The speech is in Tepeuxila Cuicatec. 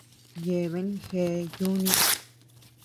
Yeabean gea yùni.